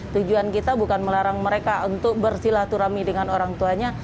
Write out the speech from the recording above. tujuan kita bukan melarang mereka untuk bersilaturahmi dengan orang tuanya